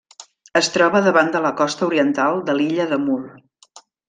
Es troba davant de la costa oriental de l'illa de Mull.